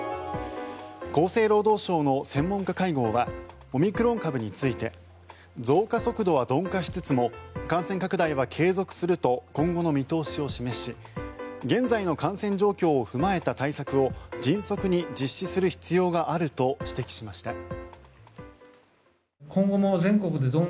厚生労働省の専門家会合はオミクロン株について増加速度は鈍化しつつも感染拡大は継続すると今後の見通しを示し現在の感染状況を踏まえた対策を迅速に実施する必要があると指摘しました。